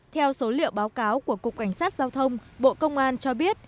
theo số liệu báo cáo của cục cảnh sát giao thông bộ công an cho biết